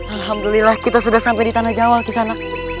alhamdulillah kita sudah sampai di tanah jawa kisana